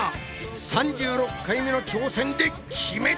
３６回目の挑戦で決めた！